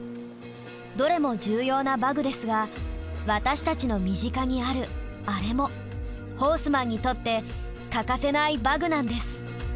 どれも重要な馬具ですが私たちの身近にあるあれもホースマンにとって欠かせない馬具なんです。